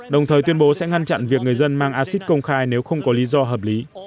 đồng thời tuyên bố sẽ ngăn chặn việc người dân mang acid công khai nếu không có lý do hợp lý